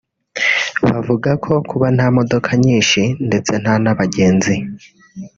Bavuga ko kuba nta modoka nyinshi ndetse nta n’abagenzi